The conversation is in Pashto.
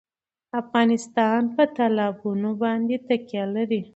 افغانستان په تالابونه باندې تکیه لري.